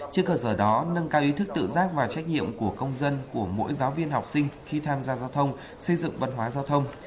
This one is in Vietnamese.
trên cơ sở đó nâng cao ý thức tự giác và trách nhiệm của công dân của mỗi giáo viên học sinh khi tham gia giao thông xây dựng văn hóa giao thông